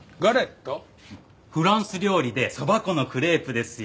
フランス料理でそば粉のクレープですよ。